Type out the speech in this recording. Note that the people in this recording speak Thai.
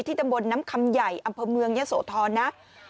ที่ตำบลน้ำคำใหญ่อำเภอเมืองเยี่ยโศษธรณ์นะ